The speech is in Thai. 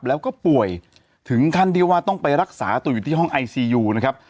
แล้วก็ป่วยถึงขั้นที่ว่าต้องไปรักษาตัวอยู่ที่ห้องไอซียูนะครับ